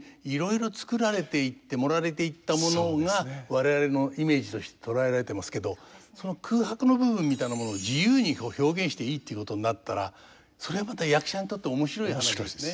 我々のイメージとして捉えられてますけどその空白の部分みたいなものを自由に表現していいっていうことになったらそれはまた役者にとって面白い話ですね。